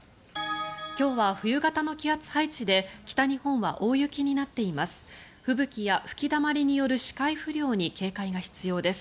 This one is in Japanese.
今日は冬型の気圧配置で北日本は大雪になっています。